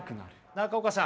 中岡さん。